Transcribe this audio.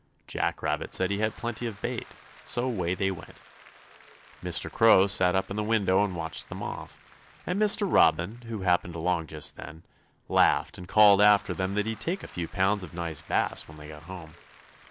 Jack Rabbit said he had plenty of bait, so away they went. Mr. Crow sat up in the window and watched them off, and Mr. Robin, who happened along just then, laughed and called after them that he'd take a few pounds of nice bass when they got home.